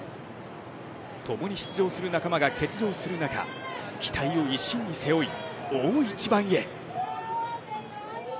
共に出場する仲間が欠場する中、期待を一身に背負い大一番へ。